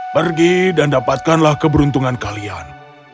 pergi dan dapatkanlah keberuntungan kalian